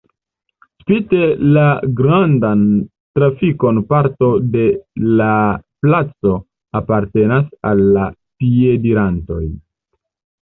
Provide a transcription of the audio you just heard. Spite la grandan trafikon parto de la placo apartenas al la piedirantoj.